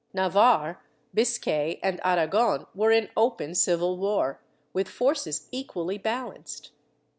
Navarre, Biscay and Aragon were in open civil war, with forces equally balanced.